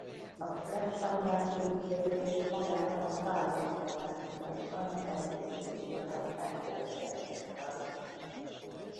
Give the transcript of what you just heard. A flash animáció kifejezés magára a fájlformátumra és annak elkészítésére használt közegre is utal.